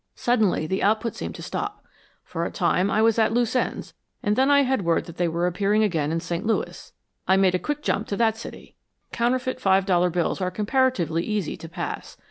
Suddenly the output seemed to stop. For a time I was at loose ends, and then I had word that they were appearing again in St. Louis. I made a quick jump to that city. Counterfeit five dollar bills are comparatively easy to pass.